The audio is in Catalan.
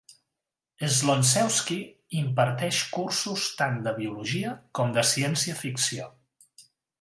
Slonczewski imparteix cursos tant de biologia com de ciència ficció.